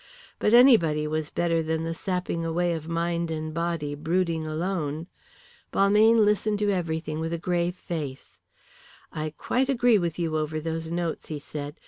But anybody was better than the sapping away of mind and body brooding alone. Balmayne listened to everything with a grave face. "I quite agree with you over those notes," he said.